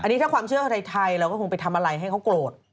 อันนี้ถ้าความเชื่อใครเราก็คงไปทำอะไรให้เขาโกรธ